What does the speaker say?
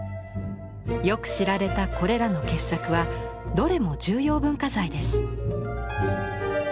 よく知られたこれらの傑作はどれも重要文化財です。